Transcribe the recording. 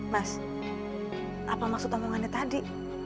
mas apa maksud omongannya tadi